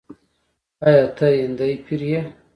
“آیا ته هندی پیر یې؟”